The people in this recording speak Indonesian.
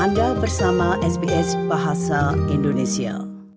anda bersama sbs bahasa indonesia